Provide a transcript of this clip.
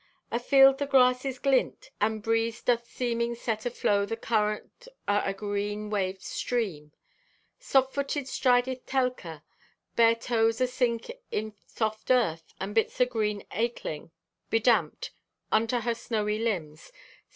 "Afield the grasses glint, and breeze doth seeming set aflow the current o' a green waved stream. "Soft footed strideth Telka, bare toes asink in soft earth and bits o' green acling, bedamped, unto her snowy limbs.